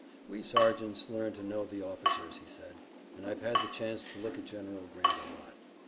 "We sergeants learn to know the officers," he said, "and I've had the chance to look at General Grant a lot.